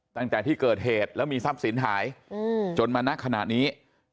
ตั้งแต่ที่เกิดเหตุแล้วมีทรัพย์สินหายจนมาณขณะนี้